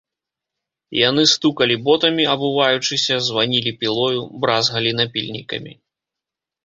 Яны стукалі ботамі, абуваючыся, званілі пілою, бразгалі напільнікамі.